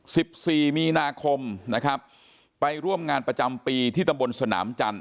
สิบสี่มีนาคมนะครับไปร่วมงานประจำปีที่ตำบลสนามจันท